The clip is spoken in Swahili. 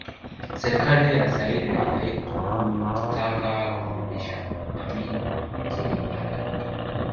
Serikali ya Zaire haikutaka kumrudisha Amin nchini Uganda